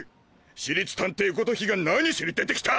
私立探偵ごときが何しに出て来た！